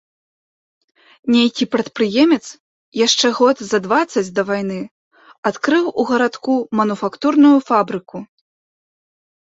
Нейкі прадпрыемец, яшчэ год за дваццаць да вайны, адкрыў у гарадку мануфактурную фабрыку.